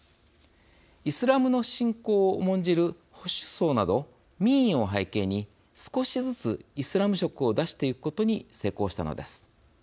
イスラムの信仰を重んじる保守層など民意を背景に少しずつイスラム色を出してゆくことに成功したのです。